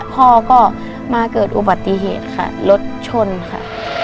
พ่อก็มาเกิดอุบัติเหตุค่ะรถชนค่ะ